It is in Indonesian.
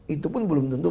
itu pun belum tentu